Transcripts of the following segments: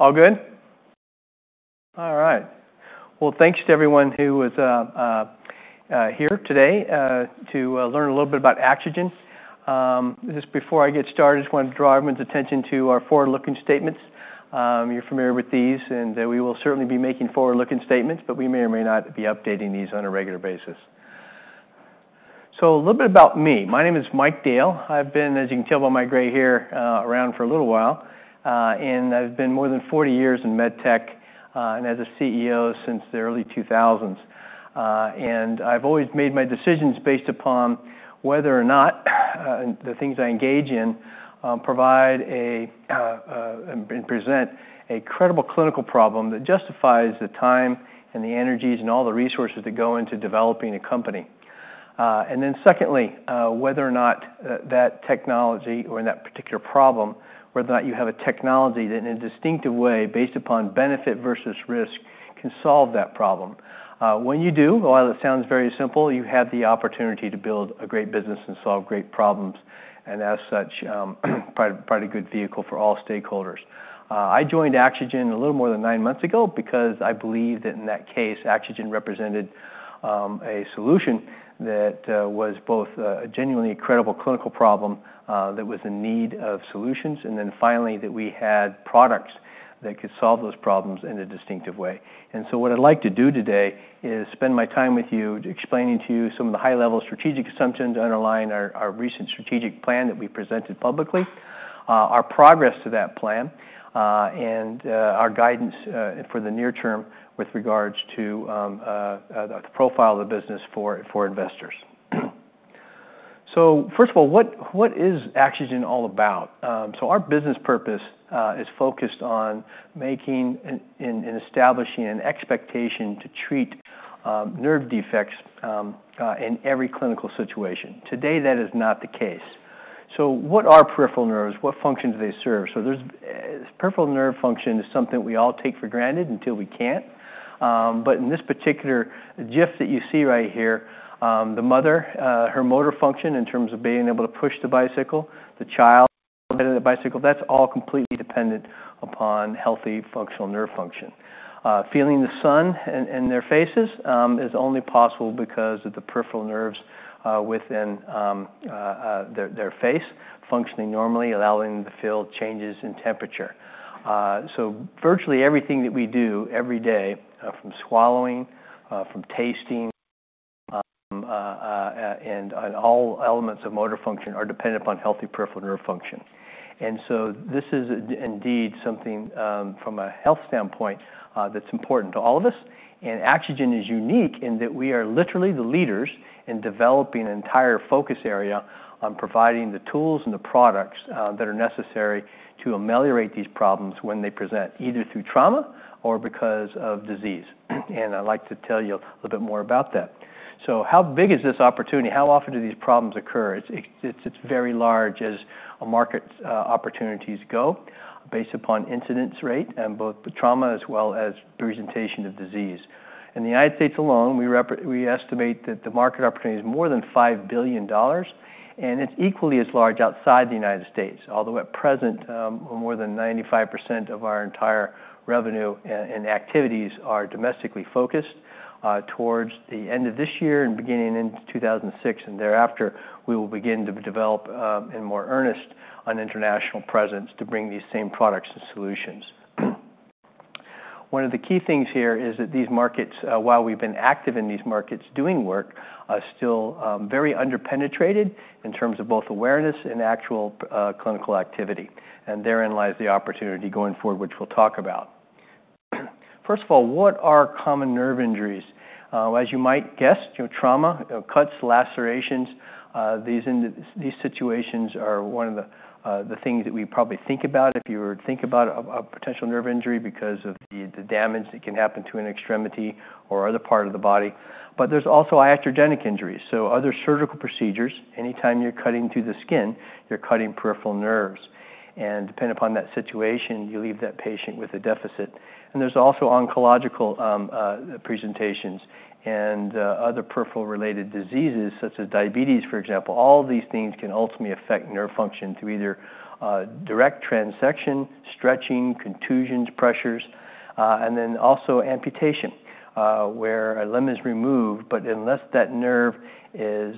All good. All right, thanks to everyone who was here today to learn a little bit about Axogen. Just before I get started, I just want to draw everyone's attention to our forward looking statements. You're familiar with these and we will certainly be making forward looking statements, but we may or may not be updating these on a regular basis. A little bit about me. My name is Mike Dale. I've been, as you can tell by my gray hair, around for a little while and I've been more than 40 years in MedTech and as a CEO since the early 2000s. I've always made my decisions based upon whether or not the things I engage in provide a and present a credible clinical problem that justifies the time and the energies and all the resources that go into developing a company. Secondly, whether or not that technology or that particular problem, whether or not you have a technology that in a distinctive way based upon benefit versus risk, can solve that problem, when you do, while it sounds very simple, you have the opportunity to build a great business and solve great problems and as such, probably a good vehicle for all stakeholders. I joined Axogen a little more than nine months ago because I believe that in that case, Axogen represented a solution that was both a genuinely credible clinical problem that was in need of solutions, and then finally that we had products that could solve those problems in a distinctive way. What I'd like to do today is spend my time with you explaining to you some of the high level strategic assumptions underlying our recent strategic plan that we presented publicly, our progress to that plan, and our guidance for the near term with regards to the profile of the business for investors. First of all, what is Axogen all about? Our business purpose is focused on making and establishing an expectation to treat nerve defects in every clinical situation. Today, that is not the case. What are peripheral nerves? What function do they serve? Peripheral nerve function is something we all take for granted until we can't. In this particular situation, the GIF that you see right here, the mother, her motor function in terms of being able to push the bicycle, the child, that's all completely dependent upon healthy functional nerve function. Feeling the sun in their faces is only possible because of the peripheral nerves within their face functioning normally, allowing them to feel changes in temperature. Virtually everything that we do every day, from swallowing, from tasting, and all elements of motor function are dependent upon healthy peripheral nerve function. This is indeed something from a health standpoint that's important to all of us. Axogen is unique in that we are literally the leaders in developing an entire focus area on providing the tools and the products that are necessary to ameliorate these problems when they present either through trauma or because of disease. I'd like to tell you a little bit more about that. How big is this opportunity? How often do these problems occur? It's very large, as market opportunities go, based upon incidence rate and both trauma as well as presentation of disease. In the United States alone, we estimate that the market opportunity is more than $5 billion and it's equally as large outside the United States, although at present more than 95% of our entire revenue and activities are domestically focused. Towards the end of this year and beginning in 2006 and thereafter, we will begin to develop in more earnest an international presence to bring these same products and solutions. One of the key things here is that these markets, while we've been active in these markets doing work, are still very underpenetrated in terms of both awareness and actual clinical activity. Therein lies the opportunity going forward, which we'll talk about. First of all, what are common nerve injuries? As you might guess, trauma, cuts, lacerations. These situations are one of the things that we probably think about if you were to think about a potential nerve injury because of the damage that can happen to an extremity or other part of the body. There are also iatrogenic injuries. Other surgical procedures, anytime you're cutting through the skin, you're cutting peripheral nerves. Depending upon that situation, you leave that patient with a deficit. There are also oncological presentations and other peripheral related diseases such as diabetes, for example. All these things can ultimately affect nerve function through either direct transection, stretching, contusions, pressures, and also amputation where a limb is removed. Unless that nerve is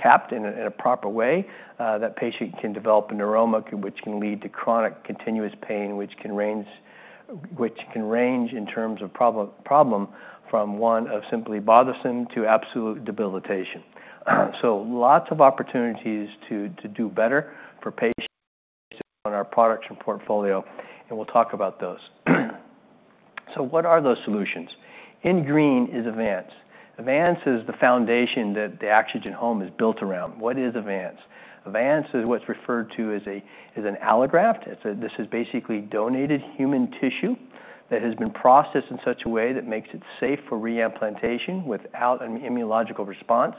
capped in a proper way, that patient can develop a neuroma, which can lead to chronic continuous pain, which can range in terms of problem from one of simply bothersome to absolute debilitation. Lots of opportunities to do better for patients on our products and portfolio. We'll talk about those. What are those solutions? In green is Avance. Avance is the foundation that the Axogen home is built around. What is Avance? Avance is what's referred to as an allograft. This is basically donated human tissue that has been processed in such a way that makes it safe for reimplantation without an immunological response.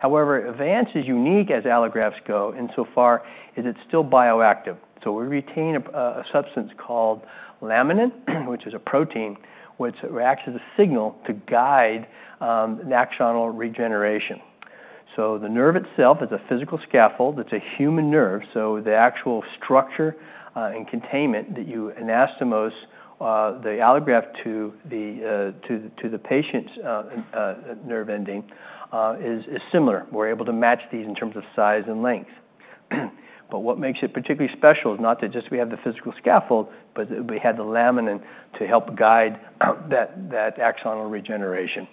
However, Avance is unique as allografts go insofar as it's still bioactive. We retain a substance called laminin, which is a protein which acts as a signal to guide axonal regeneration. The nerve itself is a physical scaffold. It's a human nerve. The actual structure and containment that you anastomose the allograft to the patient's nerve ending is similar. We're able to match these in terms of size and length. What makes it particularly special is not just that we have the physical scaffold, but we have the laminin to help guide that axonal regeneration.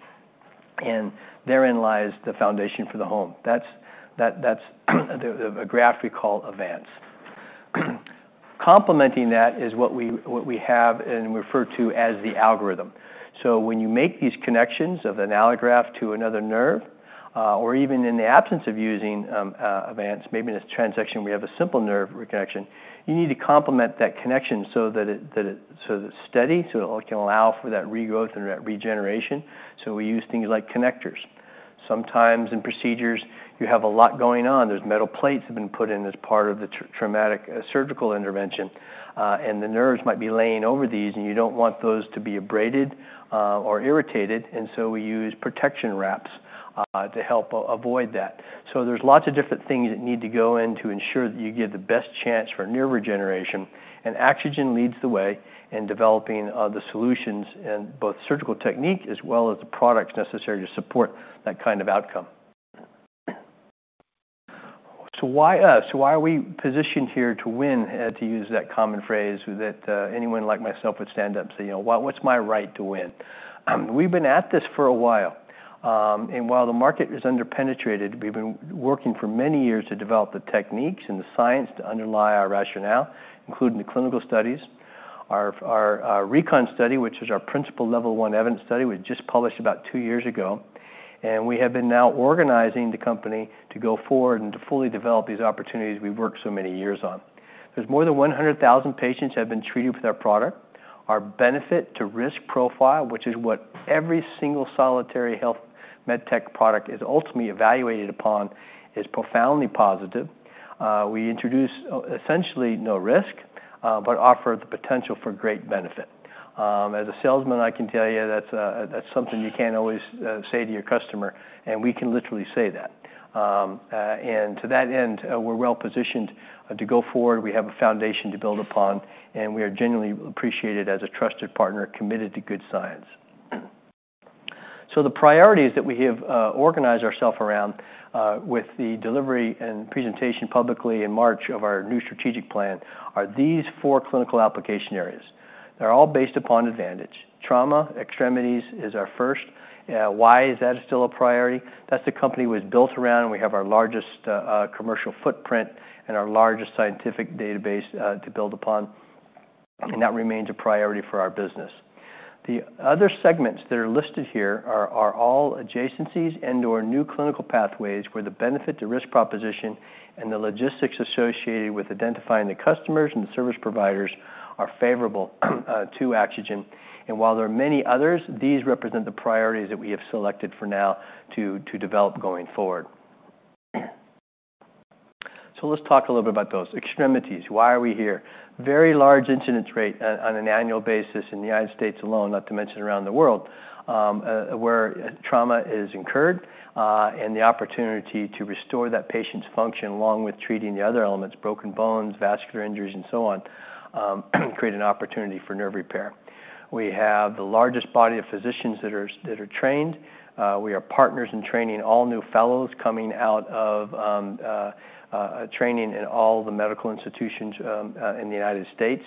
Therein lies the foundation for the allograft we call Avance. Complementing that is what we have and refer to as the algorithm. When you make these connections of an allograft to another nerve, or even in the absence of using Avance, maybe in this transaction, we have a subject, simple nerve reconnection. You need to complement that connection so that it's steady, so it can allow for that regrowth and that regeneration. We use things like connectors sometimes in procedures. You have a lot going on. There are metal plates that have been put in as part of the traumatic surgical intervention, and the nerves might be laying over these, and you do not want those to be abraded or irritated. We use protection wraps to help avoid that. There are lots of different things that need to go in to ensure that you give the best chance for nerve regeneration. Axogen leads the way in developing the solutions in both surgical technique as well as the products necessary to support that kind of outcome. Why us? Why are we positioned here to win, to use that common phrase that anyone like myself would stand up and say, what is my right to win? We've been at this for a while, and while the market is underpenetrated, we've been working for many years to develop the techniques and the software to underlie our rationale, including the clinical studies. Our RANGER study, which is our principal level one evidence study, we just published about two years ago, and we have been now organizing the company to go forward and to fully develop these opportunities we've worked so many years on. There's more than 100,000 patients have been treated with our product. Our benefit to risk profile, which is what every single solitary health medtech product is ultimately evaluated upon, is profoundly positive. We introduce essentially no risk, but offer the potential for great benefit. As a salesman, I can tell you that's something you can't always say to your customer. And we can literally say that. To that end, we're well positioned to go forward. We have a foundation to build upon and we are genuinely appreciated as a trusted partner committed to good science. The priorities that we have organized ourselves around with the delivery and presentation publicly in March of our new strategic plan are these four clinical application areas. They're all based upon Avance. Trauma extremities is our first. Why is that still a priority? That's what the company was built around and we have our largest commercial footprint and our largest scientific database to build upon. That remains a priority for our business. The other segments that are listed here are all adjacencies and or new clinical pathways where the benefit to risk proposition and the logistics associated with identifying the customers and the service providers are favorable to Axogen. While there are many others, these represent the priorities that we have selected for now to develop going forward. Let's talk a little bit about those extremities. Why are we here? Very large incidence rate on an annual basis in the United States alone, not to mention around the world, where trauma is incurred and the opportunity to restore that patient's function along with treating the other elements, broken bones, vascular injuries and so on, create an opportunity for nerve repair. We have the largest body of physicians that are trained. We are partners in training all new fellows coming out of training in all the medical institutions in the United States.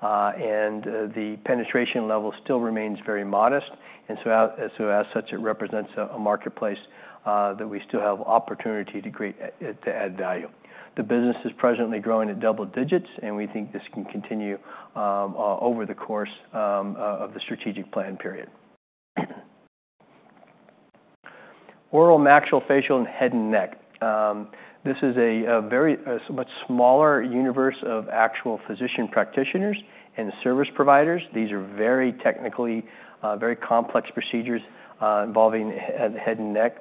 The penetration level still remains very modest. As such, it represents a marketplace that we still have opportunity to add value. The business is presently growing at double digits and we think this can continue over the course of the strategic plan period. Oral, maxillofacial and head and neck. This is a very much smaller universe of actual physician practitioners and service providers. These are very technically very complex procedures involving head and neck.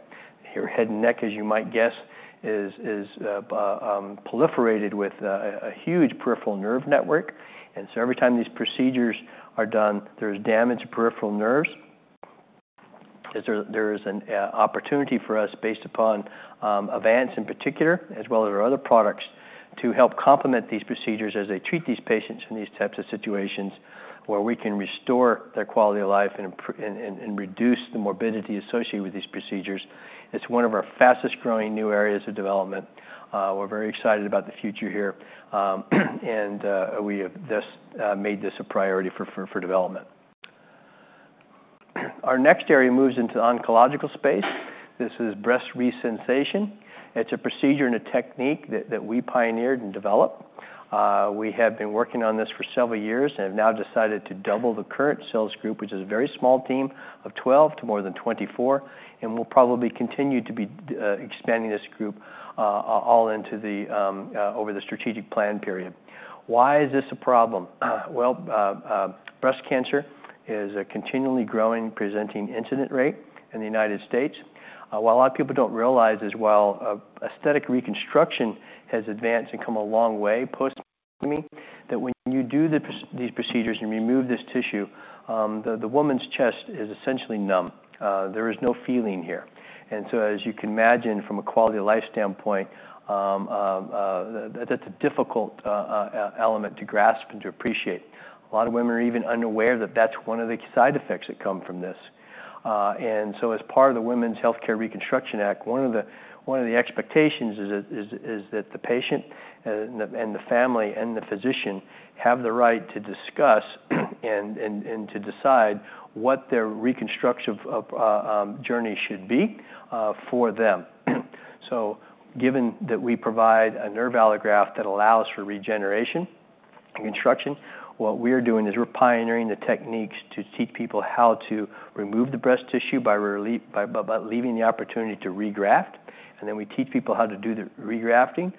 Your head and neck, as you might guess, is proliferated with a huge peripheral nerve network. Every time these procedures are done, there is damage to peripheral nerves. There is an opportunity for us, based upon Avance in particular, as well as our other products, to help complement these procedures as they treat these patients in these types of situations where we can restore their quality of life and reduce the morbidity associated with these procedures. It is one of our fastest growing new areas of development. We're very excited about the future here and we have thus made this a priority for development. Our next area moves into oncological space. This is breast resensation. It's a procedure and a technique that we pioneered and developed. We have been working on this for several years and have now decided to double the current sales group, which is a very small team of 12, to more than 24. We will probably continue to be expanding this group all into the over the strategic plan, period. Why is this a problem? Breast cancer is a continually growing presenting incident rate in the United States. What a lot of people do not realize as well, aesthetic reconstruction has advanced and come a long way post that when you do these procedures and remove this tissue, the woman's chest is essentially numb. There is no feeling here. As you can imagine, from a quality of life standpoint, that's a difficult element to grasp and to appreciate. A lot of women are even unaware that that's one of the side effects that come from this. As part of the women's healthcare reconstruction act, one of the expectations is that the patient and the family and the physician have the right to discuss and to decide what their reconstruction journey should be for them. Given that we provide a nerve allograft that allows for regeneration and construction, what we are doing is we're pioneering the techniques to teach people how to remove the breast tissue by leaving the opportunity to regraft. Then we teach people how to do the regrafting.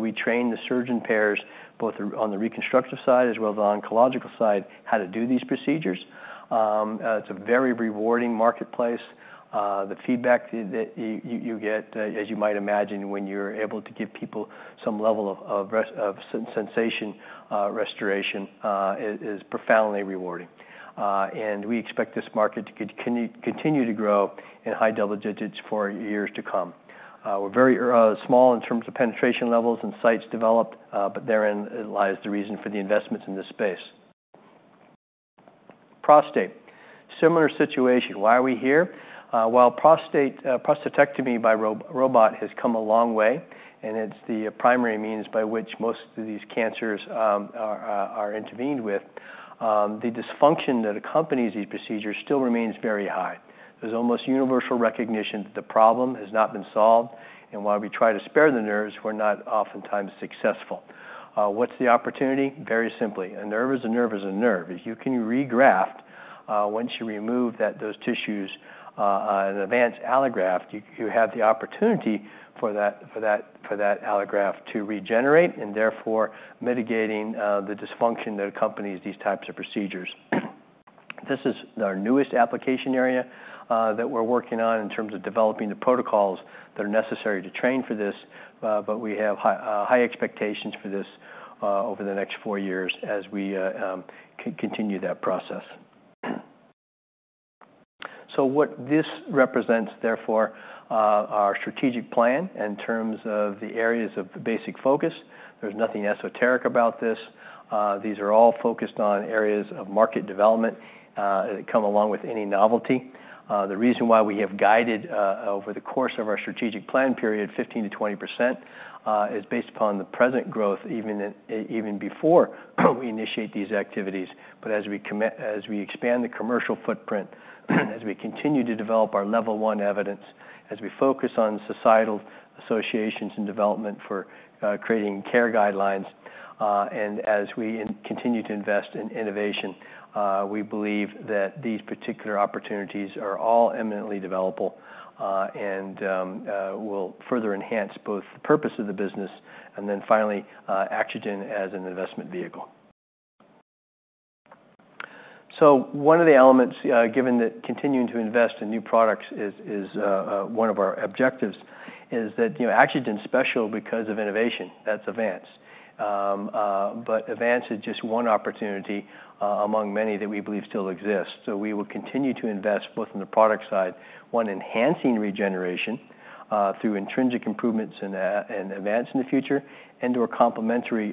We train the surgeon pairs, both on the reconstructive side as well as oncological side, how to do these procedures. It's a very rewarding marketplace. The feedback that you get, as you might imagine, when you're able to give people some level of sensation restoration is profoundly rewarding. We expect this market to continue to grow in high double digits for years to come. We're very small in terms of penetration levels and sites developed. Therein lies the reason for the investments in this space. Prostate, similar situation. Why are we here? While prostatectomy by robot has come a long way, and it's the primary means by which most of these cancers are intervened with, the dysfunction that accompanies these procedures still remains very high. There's almost universal recognition that the problem has not been solved. While we try to spare the nerves, we're not oftentimes successful. What's the opportunity? Very simply, a nerve is a nerve is a nerve. If you can regraft, once you remove those tissues, an advanced allograft, you have the opportunity for that allograft to regenerate and therefore mitigating the dysfunction that accompanies these types of procedures. This is our newest application area that we're working on in terms of developing the protocols that are necessary to train for this. We have high expectations for this over the next four years as we continue that process. What this represents, therefore, is our strategic plan in terms of the areas of basic focus. There's nothing esoteric about this. These are all focused on areas of market development that come along with any novelty. The reason why we have guided over the course of our strategic plan period 15%-20% is based upon the present growth even before we initiate these activities. As we expand the commercial footprint, as we continue to develop our level one evidence, as we focus on societal associations and development for creating care guidelines, and as we continue to invest in innovation, we believe that these particular opportunities are all eminently developable and will further enhance both the purpose of the business and then finally Axogen as an investment vehicle. One of the elements, given that continuing to invest in new products is one of our objectives, is that Axogen is special because of innovation, that's Avance. Avance is just one opportunity among many that we believe still exist. We will continue to invest both in the product side, one, enhancing regeneration through intrinsic improvements and Avance in the future and or complementary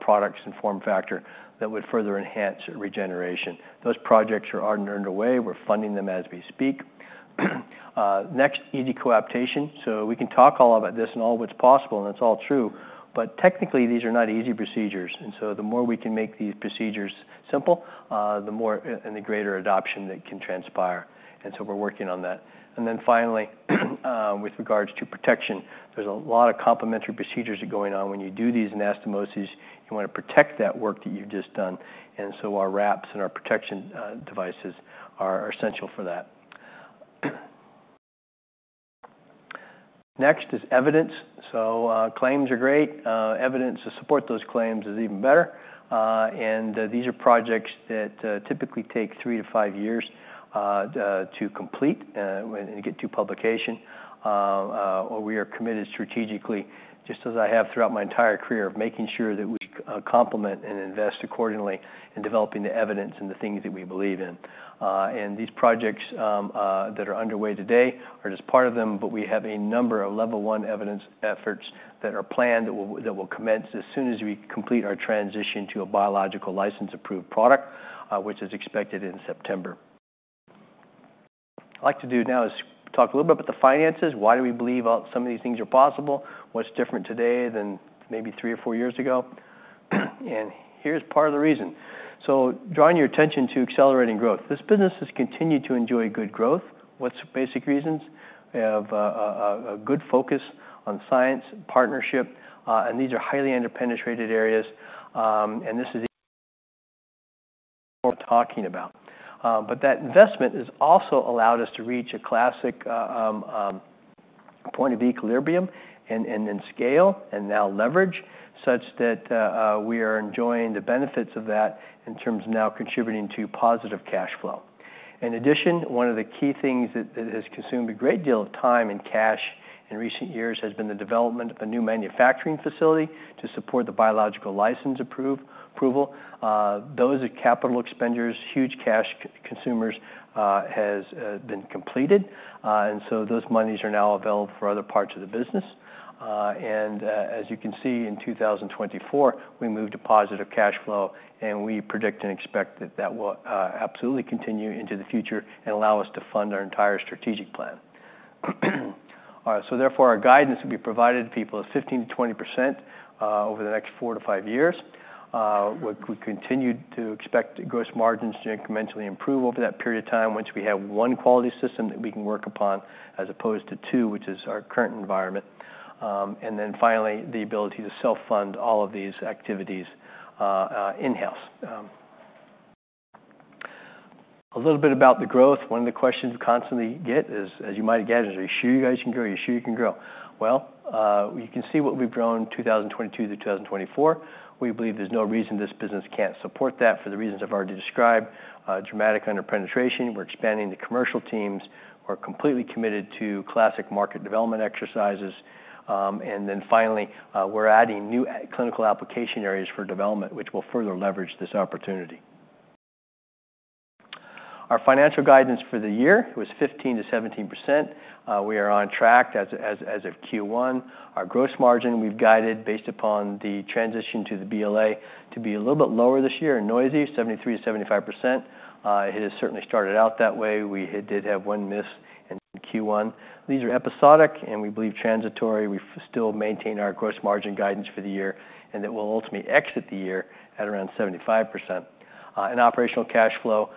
products and form factor that would further enhance regeneration. Those projects are underway. We're funding them as we speak. Next, easy coaptation so we can talk all about this and all what's possible. It's all true. Technically these are not easy procedures. The more we can make these procedures simple, the more and the greater adoption that can transpire. We're working on that. Finally, with regards to protection, there's a lot of complementary procedures going on. When you do these anastomoses, you want to protect that work that you've just done. Our wraps and our protection devices are essential for that. Next is evidence. Claims are great. Evidence to support those claims is even better. These are projects that typically take three to five years to complete when you get to publication. We are committed strategically, just as I have throughout my entire career of making sure that we complement and invest accordingly in developing the evidence and the things that we believe in. These projects that are underway today are just part of them. We have a number of level one evidence efforts that are planned that will commence as soon as we complete our transition to a biological license approved product, which is expected in September. What I'd like to do now is talk a little bit about the finances. Why do we believe some of these things are possible? What's different today than maybe three or four years ago? Here's part of the reason. Drawing your attention to accelerating growth, this business has continued to enjoy good growth. What are the basic reasons? Good focus on science partnership and these are highly underpenetrated areas and this is worth talking about. That investment has also allowed us to reach a classic point of equilibrium and then scale and now leverage such that we are enjoying the benefits of that in terms of now contributing to positive cash flow. In addition, one of the key things that has contributed, consumed a great deal of time and cash in recent years has been the development of a new manufacturing facility to support the Biological License Application approval. Those are capital expenditures, huge cash consumers, has been completed and so those monies are now available for other parts of the business. As you can see in 2024 we moved to positive cash flow and we predict and expect that that will absolutely continue into the future and allow us to fund our entire strategic plan. Therefore, our guidance we provided people is 15%-20% over the next four to five years. We continue to expect gross margins to incrementally improve over that period of time once we have one quality system that we can work upon as opposed to two, which is our current environment. Finally, the ability to self-fund all of the activities in house. A little bit about the growth. One of the questions we constantly get is, as you might have guessed, are you sure you guys can grow? Are you sure you can grow? You can see what we've grown 2022 to 2024. We believe there's no reason this business can't support that for the reasons I've already described. Dramatic under penetration. We're expanding the commercial teams. We're completely committed to classic market development exercises. Finally, we're adding new clinical application areas for development which will further leverage this opportunity. Our financial guidance for the year was 15%-17%. We are on track as of Q1. Our gross margin we've guided based upon the transition to the BLA to be a little bit lower this year and noisy, 73%-75%. It has certainly started out that way. We did have one miss in Q1. These are episodic and we believe transitory. We still maintain our gross margin guidance for the year and that will ultimately exit the year at around 75%. In operational cash flow,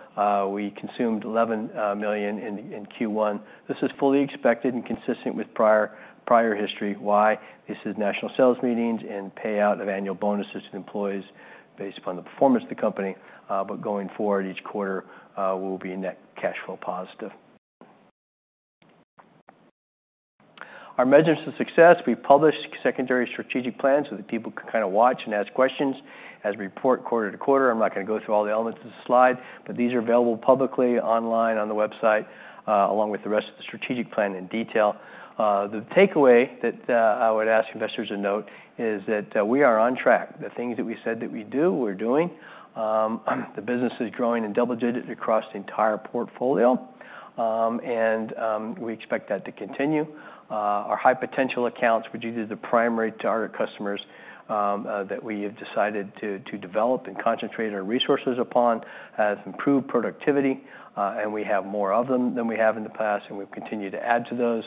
we consumed $11 million in Q1. This is fully expected and consistent with prior history. Why? This is national sales meetings and payout of annual bonuses to employees based upon the performance of the company. Going forward each quarter will be net cash flow positive, our measurements of success. We published secondary strategic plans so that people can kind of watch and ask questions as we report quarter to quarter. I'm not going to go through all the elements of the slide, but these are available publicly online on the website along with the rest of the strategic plan in detail. The takeaway that I would ask investors to note is that we are on track. The things that we said that we do, we're doing. The business is growing in double digits across the entire portfolio and we expect that to continue. Our high potential accounts, which is the primary target customers that we have decided to develop and concentrate our resources upon, has improved productivity and we have more of them than we have in the past. We will continue to add to those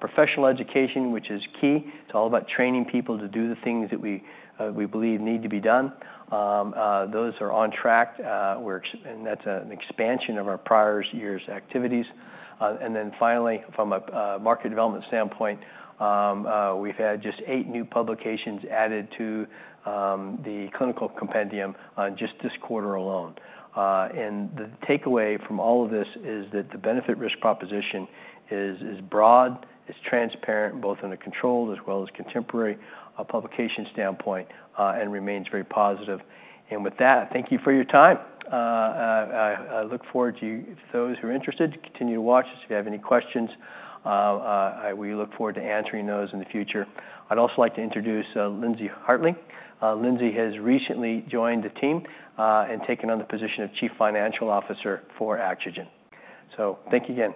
professional education, which is key. It's all about training people to do the things that we believe need to be done. Those are on track and that's an expansion of our prior year's activities. Finally, from a market development standpoint, we've had just eight new publications added to the clinical compendium just this quarter alone. The takeaway from all of this is that the benefit risk proposition is broad, it's transparent, both on a controlled as well as contemporary publication standpoint, and remains very positive. With that, thank you for your time. I look forward to those who are interested. Continue to watch us. If you have any questions, we look forward to answering those in the future. I'd also like to introduce Lindsey Hartley. Lindsey has recently joined the team and taken on the position of Chief Financial Officer for Axogen. So thank you again.